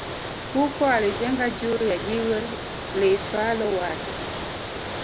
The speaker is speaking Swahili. Huko alijenga juu ya jiwe liitwalo Wahi